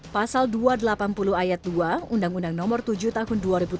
pasal dua ratus delapan puluh ayat dua undang undang nomor tujuh tahun dua ribu tujuh belas